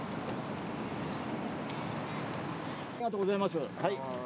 ありがとうございます。